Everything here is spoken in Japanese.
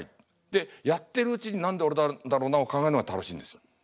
でやってるうちに「何で俺なんだろうな」を考えるのが楽しいんですよ。